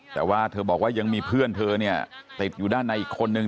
แต่ว่าเธอบอกว่ายังมีเพื่อนเธอเนี่ยติดอยู่ด้านในอีกคนนึง